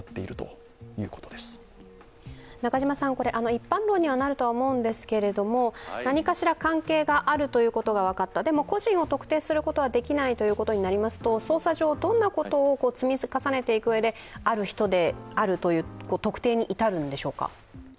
一般論にはなるとは思うんですけれども、何かしら関係があるということが分かったでも、個人を特定することはできないということになりますと捜査上どんなことを積み重ねていくうえで、ある人であるという特定に至るんでしょうか？